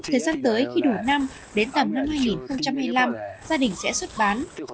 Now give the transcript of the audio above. thời gian tới khi đủ năm đến tầm năm hai nghìn hai mươi năm gia đình sẽ xuất bán